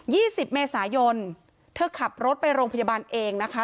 สิบเมษายนเธอขับรถไปโรงพยาบาลเองนะคะ